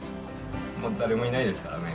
もう誰もいないですからね。